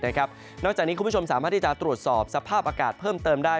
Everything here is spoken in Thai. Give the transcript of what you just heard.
นอกจากนี้คุณผู้ชมสามารถที่จะตรวจสอบสภาพอากาศเพิ่มเติมได้